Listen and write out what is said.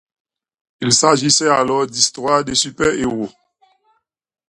Il s’agissait alors d’histoire de super-héros.